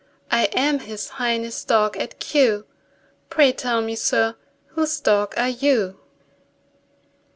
I am His Highness' dog at Kew; Pray tell me, sir, whose dog are you?